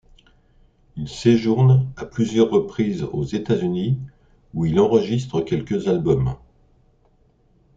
Il séjourne à plusieurs reprises aux États-Unis où il enregistre quelques albums.